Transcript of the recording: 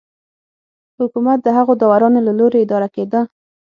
حکومت د هغو داورانو له لوري اداره کېده